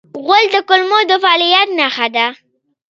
غول د کولمو د فعالیت نښه ده.